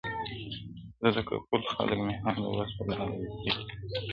زه لکه پل خلک مي هره ورځ په لار کی ویني؛